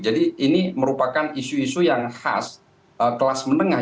jadi ini merupakan isu isu yang khas kelas menengah